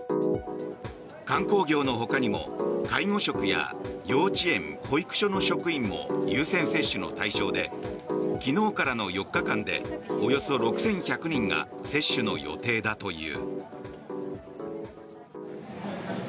観光業のほかにも、介護職や幼稚園・保育所の職員も優先接種の対象で昨日からの４日間でおよそ６１００人が接種の予定だという。